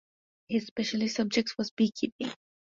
His specialist subject was Beekeeping.